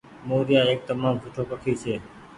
موريآ ايڪ تمآم سٺو پکي ڇي۔